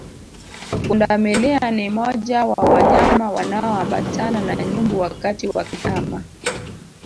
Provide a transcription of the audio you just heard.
Pundamilia ni moja wa wanyama wanaoambatana na nyumbu wakati wakihama